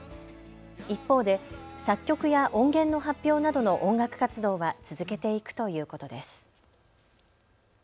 一方で作曲や音源の発表などの音楽活動は続けていくということです。